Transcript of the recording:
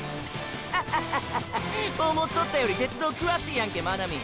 ッハハハハハ思っとったより鉄道詳しいやんけ真波！